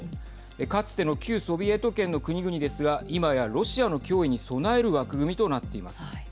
かつての旧ソビエト圏の国々ですが今やロシアの脅威に備える枠組みとなっています。